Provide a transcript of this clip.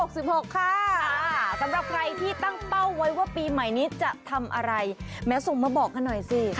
สำหรับใครที่ตั้งเป้าไว้ว่าปีใหม่นี้จะทำอะไรแม้ส่งมาบอกกันหน่อยสิ